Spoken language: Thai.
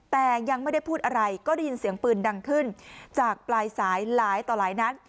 แต่ยังไม่ได้พูดอะไรก็ได้ยินเสียงปืนดังขึ้นจากปลายสายหลายต่อหลายนัด